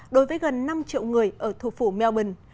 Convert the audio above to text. đối với gần năm triệu người ở thủ phủ melbourne